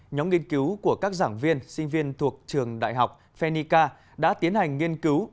nhóm nghiên cứu của các giảng viên sinh viên thuộc trường đại học phenica đã tiến hành nghiên cứu